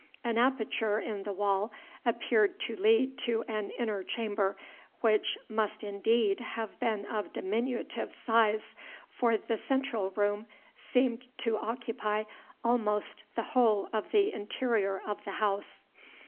An aperture in the wall appeared to lead to an inner chamber, which must indeed have been of diminutive size, for the central room seemed to occupy almost the whole of the interior of the house.